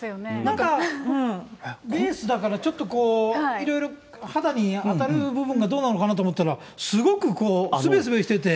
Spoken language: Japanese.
なんか、レースだからちょっとこう、いろいろ肌に当たる部分がどうなのかなと思ったら、すごくこう、すべすべしてて。